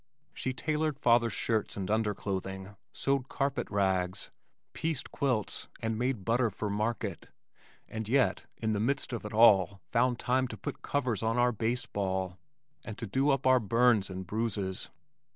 She tailored father's shirts and underclothing, sewed carpet rags, pieced quilts and made butter for market, and yet, in the midst of it all, found time to put covers on our baseball, and to do up all our burns and bruises.